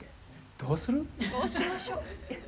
どうしましょう。